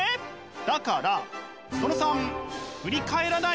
だからその３振り返らない。